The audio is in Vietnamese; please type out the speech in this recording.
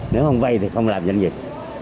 nếu không vay thì không làm doanh nghiệp